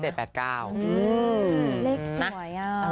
เลขสวยอ่ะ